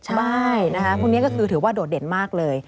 ใช่นะคะพวกนี้ก็คือถือว่าโดดเด่นมากเลย